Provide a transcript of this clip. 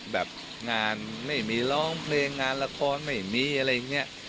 แบบงานไม่มีร้องเพลงงานละครไม่มีอะไรอย่างนี้